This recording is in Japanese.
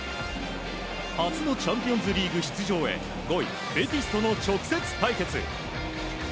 初のチャンピオンズリーグ出場へ５位、ベティスとの直接対決。